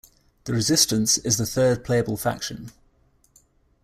The Resistance is the third playable faction.